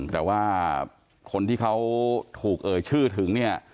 แต่ว่าคนที่เขาถูกเอ่ยชื่อถึงเนี่ย